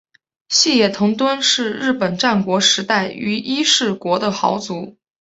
细野藤敦是日本战国时代于伊势国的豪族。